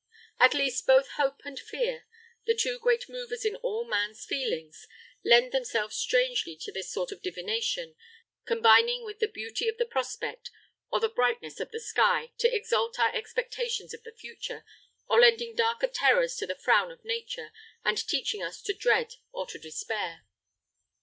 At least both hope and fear, the two great movers in all man's feelings, lend themselves strangely to this sort of divination, combining with the beauty of the prospect, or the brightness of the sky, to exalt our expectations of the future; or lending darker terrors to the frown of nature, and teaching us to dread or to despair.